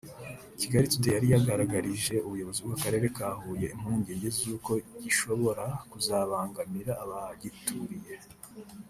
kigalitoday yari yagaragarije ubuyobozi bw’Akarere ka Huye impungenge z’uko gishobora kuzabangamira abagituriye